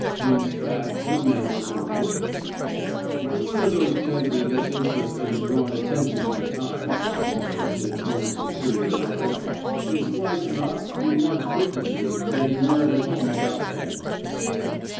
Pim spat in a manner of importance. 71 f THE SMOKE EATEES When one of those gentry gets interested in drawin' attention to the time,^' he said, in a tone of superior knowledge, *' it's like's not he wants witnesses that he weren't at home about then. See?